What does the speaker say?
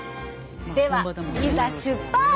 ではいざ出発！